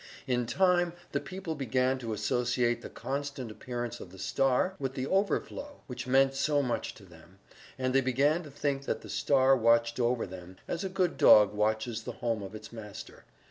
In time the people began to associate the constant appearance of the star with the overflow which meant so much to them, and they began to think that the star watched over them, as a good dog watches the home of its master.